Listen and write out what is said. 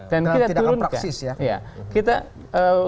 dan kita turunkan